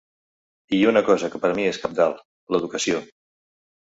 I una cosa que per a mi és cabdal, l’educació.